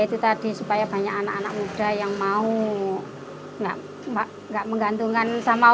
itu udah dari madonna